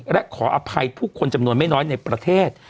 และขออภัยผู้คนจำนวนไม่น้อยในประเทศ